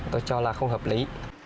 tôi cho là không hợp lý